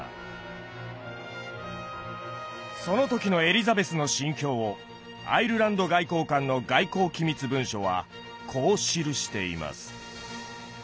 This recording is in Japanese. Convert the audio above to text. その時のエリザベスの心境をアイルランド外交官の外交機密文書はこう記しています。